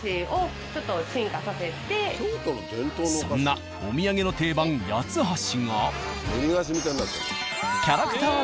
そんなお土産の定番八ッ橋が。